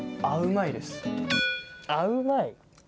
「あうまい」？